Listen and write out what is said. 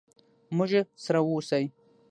موږ سره ووسئ.